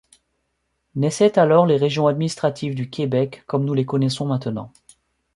Naissaient alors les régions administratives du Québec, comme nous les connaissons maintenant.